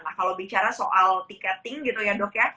kalau bicara soal ticketing gitu ya dok ya